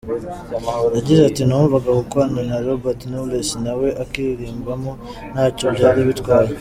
Yagize ati “Numvaga gukorana na Roberto Knowless na we akaririmbamo ntacyo byari bitwaye.